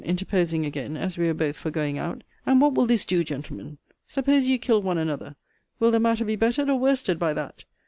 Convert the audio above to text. (interposing again, as we were both for going out,) And what will this do, gentlemen? Suppose you kill one another, will the matter be bettered or worsted by that?